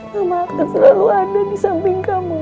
mama akan selalu ada di samping kamu ya